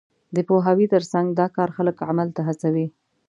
د پوهاوي تر څنګ، دا کار خلک عمل ته هڅوي.